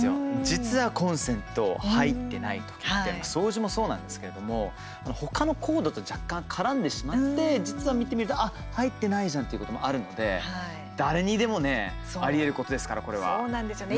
実は、コンセント入ってないとき掃除もそうなんですけれどもほかのコードと若干、絡んでしまって実は見てみるとあ、入ってないじゃん！っていうこともあるので誰にでもねそうなんですよね。